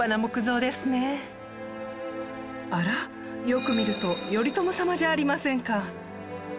よく見ると頼朝様じゃありませんか。